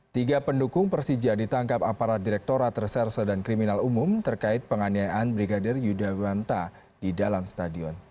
tiga pendukung persija ditangkap aparat direkturat reserse dan kriminal umum terkait penganiayaan brigadir yudhawanta di dalam stadion